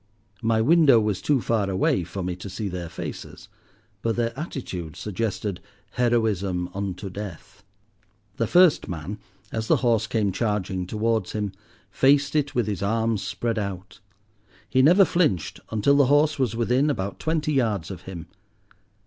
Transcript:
My window was too far away for me to see their faces, but their attitude suggested heroism unto death. The first man, as the horse came charging towards him, faced it with his arms spread out. He never flinched until the horse was within about twenty yards of him.